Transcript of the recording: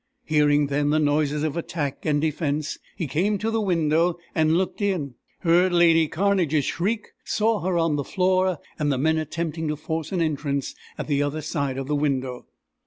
Hearing then the noises of attack and defence, he came to the window and looked in, heard lady Cairnedge's shriek, saw her on the floor, and the men attempting to force an entrance at the other side of the window.